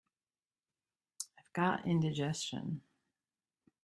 I've got indigestion.